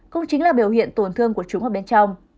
cũng chính là biểu hiện tổn thương của chúng ở bên trong